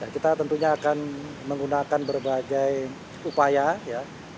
kita tentunya akan menggunakan berbagai upaya ya